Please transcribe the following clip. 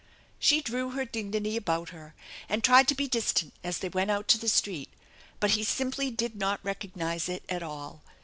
She drew her dignity about her and tried to be distant as they went out to the street, but he simply did not recognize it at all.